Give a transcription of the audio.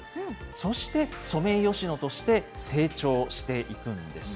そして、ソメイヨシノとして成長していくんです。